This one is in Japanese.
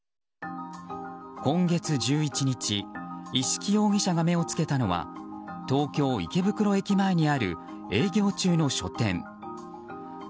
今月１１日、一色容疑者が目をつけたのは東京・池袋駅前にある営業中の書店。